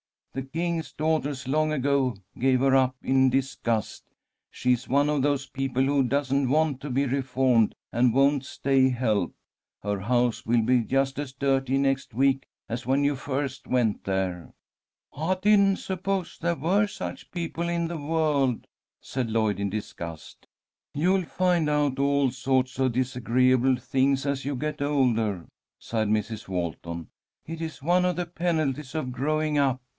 The King's Daughters long ago gave her up in disgust. She's one of those people who doesn't want to be reformed and won't stay helped. Her house will be just as dirty next week as when you first went there." "I didn't suppose there were such people in the world," said Lloyd, in disgust. "You'll find out all sorts of disagreeable things as you get older," sighed Mrs. Walton. "It is one of the penalties of growing up.